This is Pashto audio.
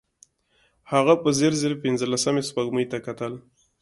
هغه په ځير ځير پينځلسمې سپوږمۍ ته کتل.